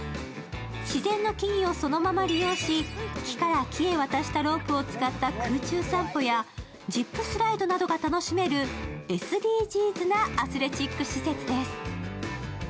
自然の木々をそのまま利用し木から木へ渡したロープを使った空中散歩やジップスライドなどが楽しめるＳＤＧｓなアスレチック施設です。